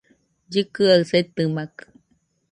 Llɨkɨaɨ setɨmakɨ